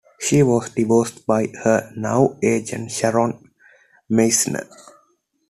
She was discovered by her now agent Sharron Meissner.